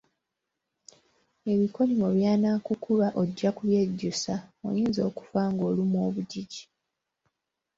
Ebikolimo byanaakukuba ojja kubyejjusa oyinza okufa ng'olumwa obugigi.